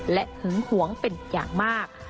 และหึงหวงเป็นอย่างมาก